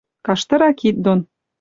Каштыра кид дон